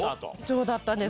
そうだったんです。